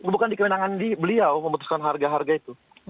bukan di kewenangan beliau memutuskan harga harga itu